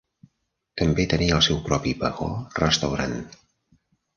També tenia el seu propi vagó restaurant.